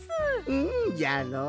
うんじゃろう。